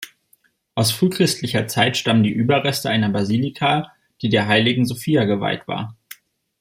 Aus frühchristlicher Zeit stammen die Überreste einer Basilika, die der Heiligen Sophia geweiht war.